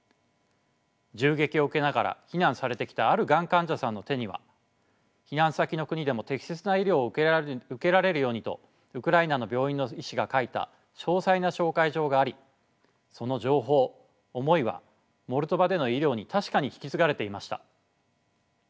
銃撃を受けながら避難されてきたあるがん患者さんの手には避難先の国でも適切な医療を受けられるようにとウクライナの病院の医師が書いた詳細な紹介状がありその情報思いはモルドバでの医療に確かに引き継がれていました。